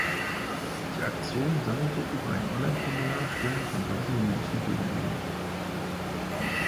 Die Aktion sammelte über ein Online-Formular Stimmen von tausenden Menschen gegen Armut.